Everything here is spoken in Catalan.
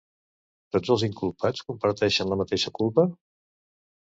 Tots els inculpats comparteixen la mateixa culpa?